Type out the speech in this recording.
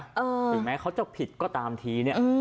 อืมยังแม้เขาจะผิดก็ตามทีเนี้ยอืม